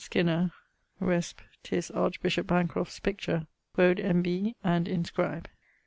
Skinner. Resp. 'tis archbishop Bancroft's picture quod N.B., and inscribe.'